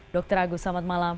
dr agus selamat malam